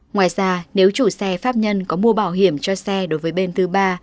ngoài ra nếu chủ xe pháp nhân có mua bảo hiểm cho xe đối với bên thứ ba